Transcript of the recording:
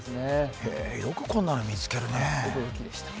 よくこんなの見つけるねえ。